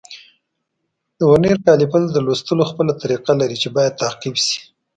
د ورنیز کالیپر د لوستلو خپله طریقه لري چې باید تعقیب شي.